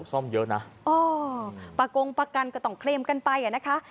ซ่อมเยอะนะอ๋อประกงประกันก็ต้องเคลมกันไปอ่ะนะคะ